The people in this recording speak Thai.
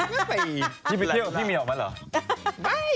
พี่ไปเที่ยวกับพี่เมียวมาเหรอ